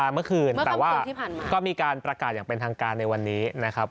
เมื่อคืนแต่ว่าก็มีการประกาศอย่างเป็นทางการในวันนี้นะครับ